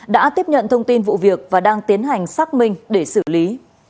đã tiếp nhận thông tin vụ việc và đang tiến hành xác minh để xử lý